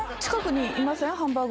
近くにいません？